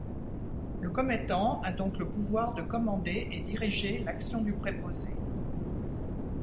Le commettant a donc le pouvoir de commander et diriger l'action du préposé.